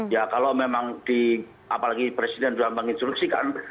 ya kalau memang di apalagi presiden sudah menginstruksikan